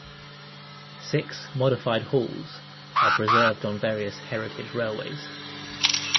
Six Modified Halls are preserved on various heritage railways.